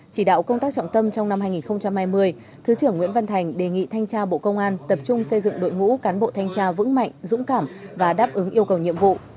chỉ đạo công tác trọng tâm trong năm hai nghìn hai mươi thứ trưởng nguyễn văn thành đề nghị thanh tra bộ công an tập trung xây dựng đội ngũ cán bộ thanh tra vững mạnh dũng cảm và đáp ứng yêu cầu nhiệm vụ